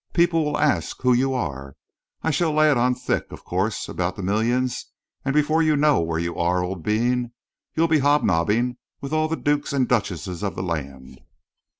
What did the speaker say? People will ask who you are. I shall lay it on thick, of course, about the millions, and before you know where you are, old bean, you'll be hobnobbing with all the dukes and duchesses of the land."